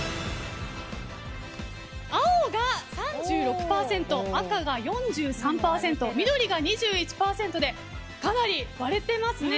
青が３６％赤が４３％、緑が２１％でかなり割れていますね。